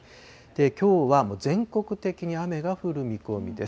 きょうはもう全国的に雨が降る見込みです。